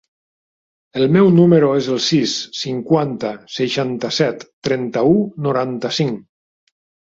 El meu número es el sis, cinquanta, seixanta-set, trenta-u, noranta-cinc.